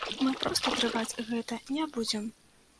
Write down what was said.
Мы проста трываць гэта не будзем.